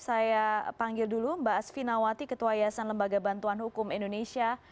saya panggil dulu mbak asvinawati ketua yayasan lembaga bantuan hukum indonesia